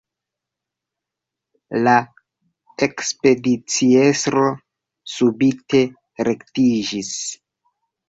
La ekspediciestro subite rektiĝis.